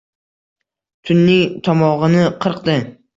Tunning tomog’ini qirqdi